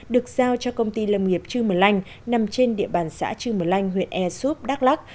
được giao cho công ty lâm nghiệp trư mờ lanh nằm trên địa bàn xã trư mờ lanh huyện e súp đắk lắc